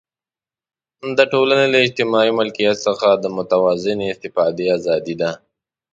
د ټولنې له اجتماعي ملکیت څخه د متوازنې استفادې آزادي ده.